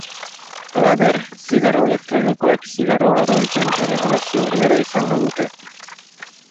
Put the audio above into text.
Halaber, zigarro elektronikoek zigarro arrunten erregulazio berbera izango dute.